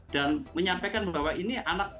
dan menyampaikan bahwa ini anak